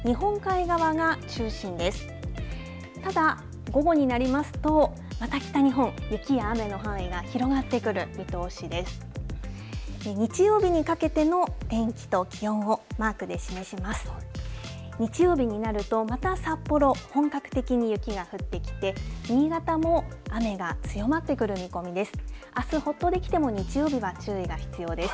日曜日になると、また札幌、本格的に雪が降ってきて、新潟も雨が強まってくる見込みです。